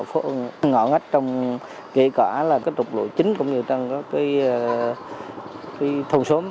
họ ngỡ ngách trong kể cả là cái trục lụi chính cũng như là cái thông xóm